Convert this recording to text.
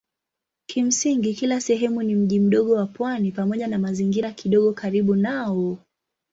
Kimsingi kila sehemu ni mji mdogo wa pwani pamoja na mazingira kidogo karibu nao.